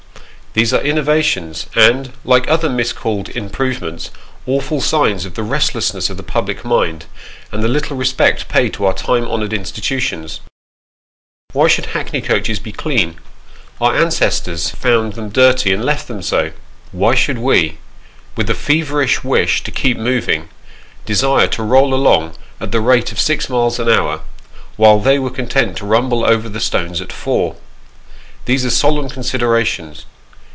These are innovations, and, like other miscalled improvements, awful signs of the restlessness of the public mind, and the little respect paid to our time honoured institutions. Why should hackney coaches be clean? Our ancestors found them dirty, and left them so. Why should we, with a feverish wish to " keep moving," desire to roll along at the rate of six miles an hour, while they were content to rumble over the stones at four ? These are solemn considerations.